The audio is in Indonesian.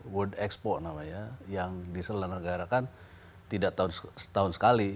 world expo namanya yang diselenggarakan tidak setahun sekali